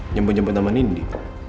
nyemput nyemput sama nindi